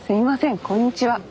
こんにちは。